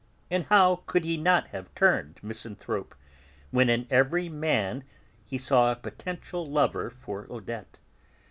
And how could he not have turned misanthrope, when in every man he saw a potential lover for Odette?